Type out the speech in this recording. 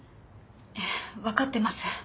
えぇわかってます。